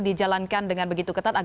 dijalankan dengan begitu ketat